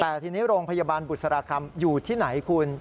แต่ทีนี้โรงพยาบาลบุษราคำอยู่ที่ไหนคุณ